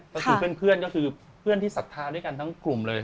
ก็คือเพื่อนก็คือเพื่อนที่ศรัทธาด้วยกันทั้งกลุ่มเลย